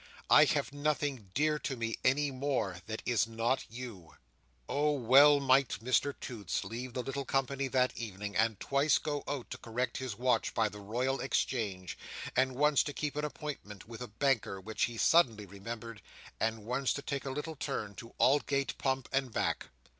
I have nothing dear to me any more, that is not you." Oh! well might Mr Toots leave the little company that evening, and twice go out to correct his watch by the Royal Exchange, and once to keep an appointment with a banker which he suddenly remembered, and once to take a little turn to Aldgate Pump and back!